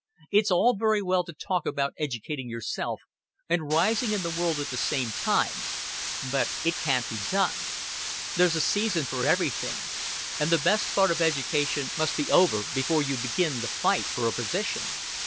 It's all very well to talk about educating yourself and rising in the world at the same time, but it can't be done. There's a season for everything, and the best part of education must be over before you begin to fight for a position.